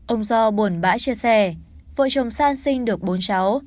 ông do buồn bã chia sẻ vợ chồng san sinh được bốn cháu